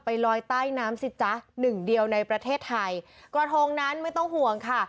ลอยใต้น้ำสิจ๊ะหนึ่งเดียวในประเทศไทยกระทงนั้นไม่ต้องห่วงค่ะ